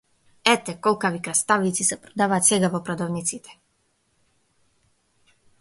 Ете колкави краставици се продаваат сега во продавниците!